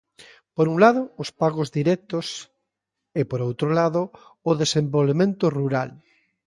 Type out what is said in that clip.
Por un lado, os pagos directos e, por outro lado, o desenvolvemento rural.